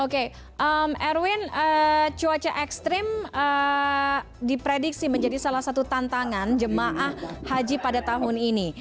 oke erwin cuaca ekstrim diprediksi menjadi salah satu tantangan jemaah haji pada tahun ini